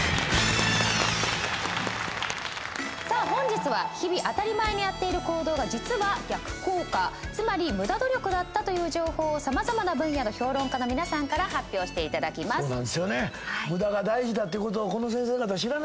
本日は日々当たり前にやっている行動が実は逆効果つまりムダ努力だったという情報を様々な分野の評論家の皆さんから発表していただきます。